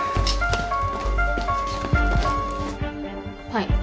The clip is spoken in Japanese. はい。